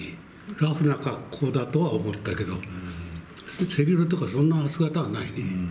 ラフな格好だとは思ったけど、背広とか、そんな姿はないね。